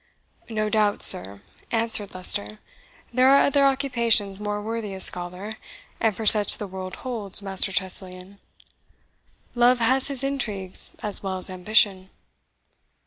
"No doubt, sir," answered Leicester "there are other occupations more worthy a scholar, and for such the world holds Master Tressilian. Love has his intrigues as well as ambition."